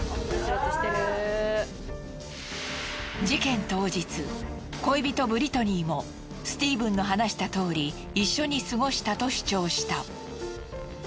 事件当日恋人ブリトニーもスティーブンの話したとおり一緒に過ごしたと主張した。